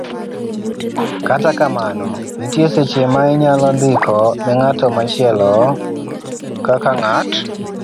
Kata kamano, nitie seche ma inyalo ndiko ne ng'at machielo, kaka ng'at .